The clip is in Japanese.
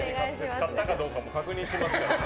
買ったかどうかも確認してますからね。